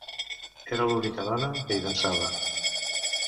Era l'única dona que hi dansava.